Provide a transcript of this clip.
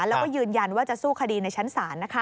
แล้วก็ยืนยันว่าจะสู้คดีในชั้นศาล